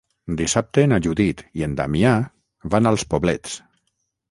Dissabte na Judit i en Damià van als Poblets.